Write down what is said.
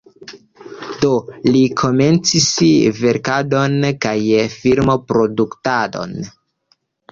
Do li komencis verkadon kaj film-produktadon.